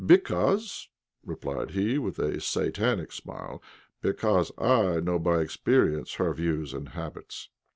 "Because," replied he, with a satanic smile, "because I know by experience her views and habits."